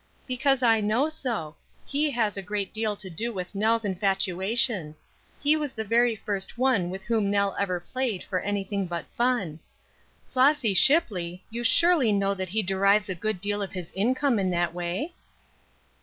"Because I know so. He has a great deal to do with Nell's infatuation. He was the very first one with whom Nell ever played for anything but fun. Flossy Shipley, you surely know that he derives a good deal of his income in that way?"